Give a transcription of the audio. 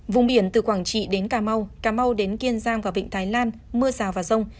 vùng biển từ quảng trị đến cà mau cà mau đến kiên giang và vịnh thái lan mưa rào và rông